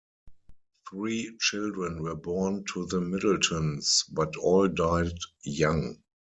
Three children were born to the Middletons, but all died young.